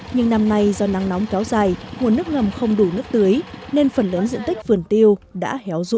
nhưng năm nay do nắng nóng kéo dài nguồn nước ngầm không đủ nước tưới nên phần lớn diện tích vườn tiêu đã héo rũ